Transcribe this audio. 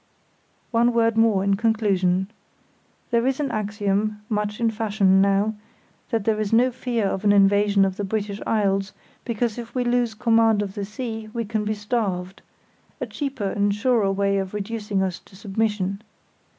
One word more, in conclusion. There is an axiom, much in fashion now, that there is no fear of an invasion of the British Isles, because if we lose command of the sea, we can be starved—a cheaper and surer way of reducing us to submission.